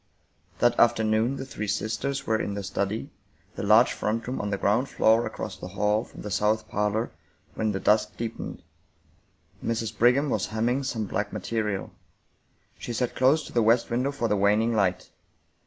That afternoon the three sisters were in the study, the large front room on the ground floor across the hall from the south parlor, when the dusk deepened. Mrs. Brigham was hemming some black material. She sat close to the west window for the waning light.